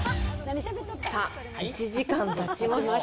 さあ、１時間たちました。